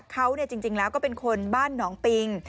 เขาจริงแล้วก็เป็นคนบ้านหนองปิง